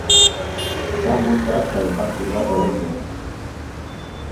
Està envoltat pel parc urbà de Lakeport.